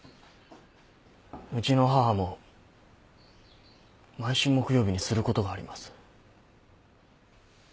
うちの母も毎週木曜日にすることがあります。